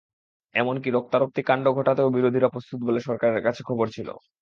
এমনকি রক্তারক্তি কাণ্ড ঘটাতেও বিরোধীরা প্রস্তুত বলে সরকারের কাছে খবর ছিল।